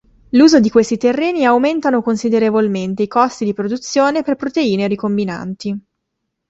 L'uso di questi terreni aumentano considerevolmente i costi di produzione per proteine ricombinanti.